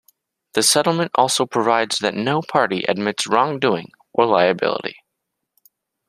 The settlement also provides that no party admits wrongdoing or liability.